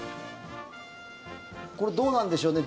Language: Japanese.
これどうなんでしょうね。